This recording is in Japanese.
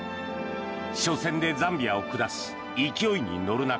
初戦でザンビアを下し勢いに乗る中